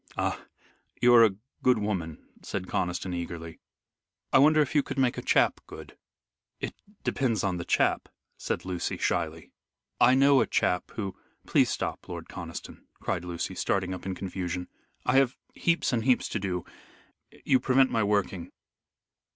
"Ah, you are a good woman," said Conniston, eagerly. "I wonder if you could make a chap good?" "It depends upon the chap," said Lucy, shyly. "I know a chap who " "Please stop, Lord Conniston," cried Lucy, starting up in confusion. "I have heaps and heaps to do. You prevent my working."